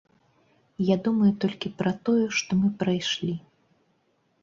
Я думаю толькі пра тое, што мы прайшлі.